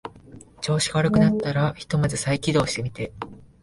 調子が悪くなったらひとまず再起動してみて